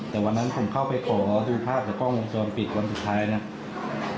แต่วันนั้นผมเข้าไปโขหรอดูภาพกล้องวงส่วนปิดวันสุดท้ายเนี่ย